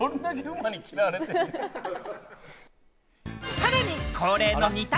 さらに恒例の二択